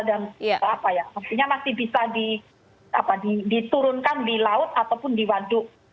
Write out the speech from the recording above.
artinya masih bisa diturunkan di laut ataupun di waduk